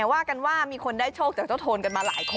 ว่ากันว่ามีคนได้โชคกับเจ้าโทนมามากมาก